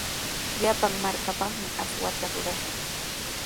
Llapan markapaqmi aswata rurashun.